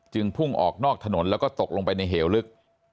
พุ่งออกนอกถนนแล้วก็ตกลงไปในเหวลึก